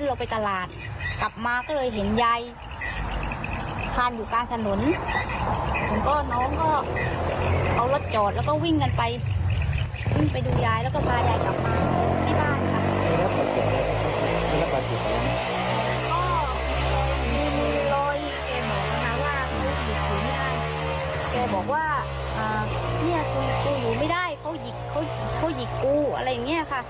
มีรอยแกบอกมาว่าแกบอกว่าอ่าเนี่ยคุณคุณอยู่ไม่ได้เขาหยิกเขาหยิกกูอะไรอย่างเงี้ยค่ะ